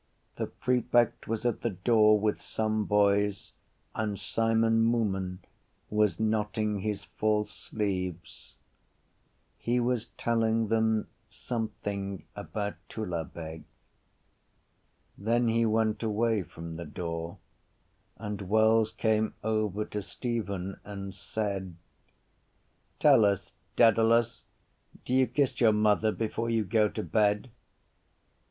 The prefect was at the door with some boys and Simon Moonan was knotting his false sleeves. He was telling them something about Tullabeg. Then he went away from the door and Wells came over to Stephen and said: —Tell us, Dedalus, do you kiss your mother before you go to bed?